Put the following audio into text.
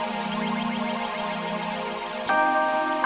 motore gak jadi dibeli tat